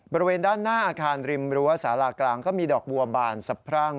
บริเวณด้านหน้าอาคารริมรั้วสารากลางก็มีดอกบัวบานสะพรั่ง